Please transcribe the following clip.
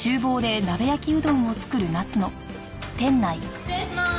失礼します。